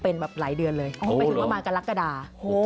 อ๋อเป็นแบบหลายเดือนเลยถึงว่ามากระลักษณ์กระดาษ